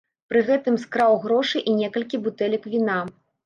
Пры гэтым скраў грошы і некалькі бутэлек віна.